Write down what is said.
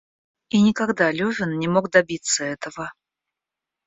И никогда Левин не мог добиться этого.